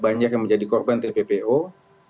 banyak yang menjadi korban tppo